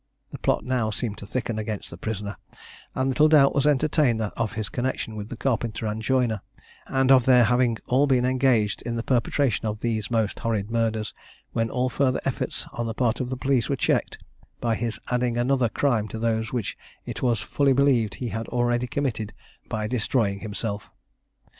The plot now seemed to thicken against the prisoner, and little doubt was entertained of his connexion with the carpenter and joiner, and of their having all been engaged in the perpetration of these most horrid murders, when all further efforts on the part of the police were checked, by his adding another crime to those which it was fully believed he had already committed, by destroying himself.